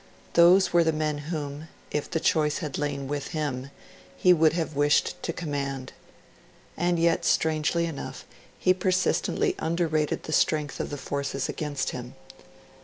Those were the men whom, if the choice had lain with him, he would have wished to command. And yet, strangely enough, he persistently underrated the strength of the forces against him.